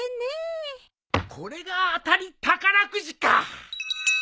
これが当たり宝くじか。